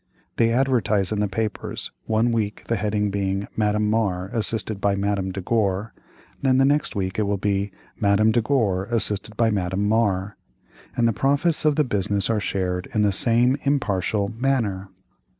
They advertise in the papers, one week the heading being "Madame Mar, assisted by Madame de Gore," and the next week, it will be "Madame de Gore, assisted by Madame Mar," and the profits of the business are shared in the same impartial manner.